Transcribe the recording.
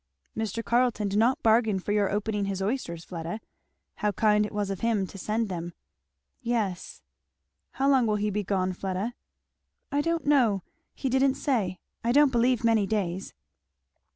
"Mr. Carleton did not bargain for your opening his oysters, Fleda. How kind it was of him to send them." "Yes." "How long will he be gone, Fleda?" "I don't know he didn't say. I don't believe many days."